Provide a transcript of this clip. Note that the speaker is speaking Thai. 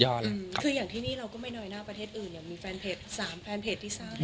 คืออย่างที่นี่เราก็ไม่น้อยหน้าประเทศอื่นเนี่ยมีแฟนเพจสามแฟนเพจที่สร้าง